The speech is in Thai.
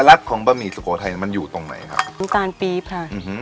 ของบะหมี่สุโขทัยมันอยู่ตรงไหนครับน้ำตาลปี๊บค่ะอื้อหือ